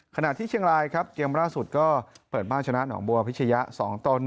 ขณะที่เชียงรายครับเกมล่าสุดก็เปิดบ้านชนะหนองบัวพิชยะ๒ต่อ๑